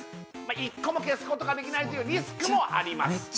１個も消すことができないというリスクもあります